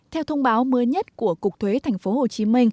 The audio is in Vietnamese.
theo thông báo mới nhất của cục thuế tp hcm